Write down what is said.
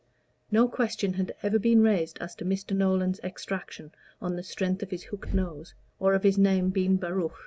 No question had ever been raised as to Mr. Nolan's extraction on the strength of his hooked nose, or of his name being Baruch.